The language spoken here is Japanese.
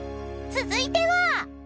［続いては］